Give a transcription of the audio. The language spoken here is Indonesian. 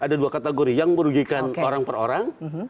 ada dua kategori yang merugikan orang per orang